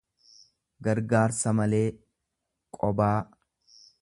gargaarsa malee, qobaa.